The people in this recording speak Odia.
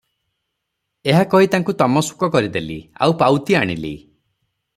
ଏହା କହି ତାଙ୍କୁ ତମସୁକ କରି ଦେଲି; ଆଉ ପାଉତି ଆଣିଲି ।